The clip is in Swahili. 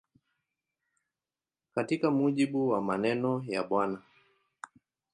Katika mujibu wa maneno ya Bw.